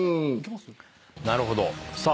なるほど。